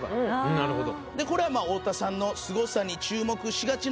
なるほど。